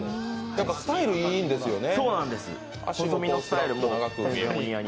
スタイルいいんですよね。